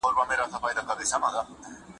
چې د بالاحصار ترغاړې لار یې